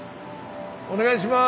お願いします！